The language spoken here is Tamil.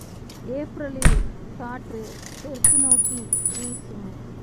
ஏப்ரலில் காற்று தெற்கு நோக்கி வீசும்.